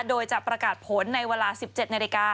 โดยจะประกาศผลในเวลา๑๗นาฬิกา